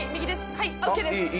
はいＯＫです